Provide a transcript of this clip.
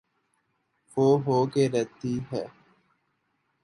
وہ ہو کے رہتی ہے۔